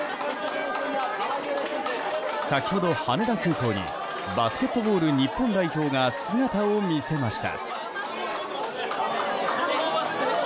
先程、羽田空港にバスケットボール日本代表が姿を見せました。